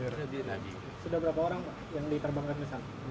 sudah berapa orang yang diterbangkan misalnya